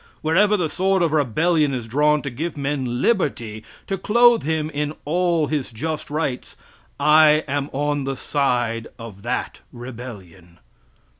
Wherever the sword of rebellion is drawn to give men liberty, to clothe him in all his just rights, I am on the side of that rebellion.)